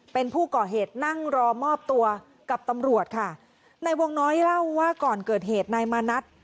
เป็นผู้ก่อเหตุนั่งรอมอบตัวกับตำรวจค่ะในวงน้อยเล่าว่าก่อนเกิดเหตุนายมานัด